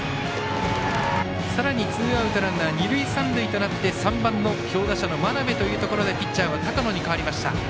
さらにツーアウト、ランナー二塁三塁となって、３番の強打者の真鍋というところでピッチャーは高野に代わりました。